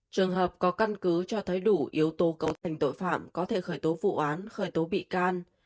trường hợp có căn cứ cho thấy đủ yếu tố cấu thành tội phạm có thể khởi tố vụ án khởi tố bị can